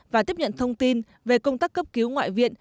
và tiếp nhận thông tin về công tác cấp cứu ngoại viện